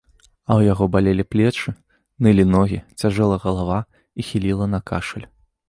А ў яго балелі плечы, нылі ногі, цяжэла галава і хіліла на кашаль.